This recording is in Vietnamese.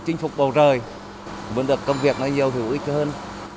chinh phục bầu trời muốn được công việc nó nhiều hữu ích hơn